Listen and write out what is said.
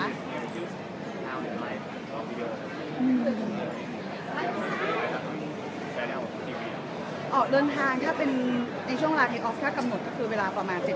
อ๋อเริ่มทางในช่วงรายเทคอล์ฟถ้ากำหนดก็คือเวลาประมาณ๗นาที